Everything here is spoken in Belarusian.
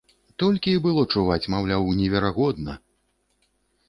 Толькі і было чуваць, маўляў, неверагодна!